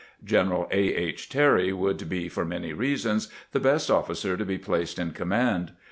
General A. H. Terry would be, for many reasons, the best officer to be placed in command.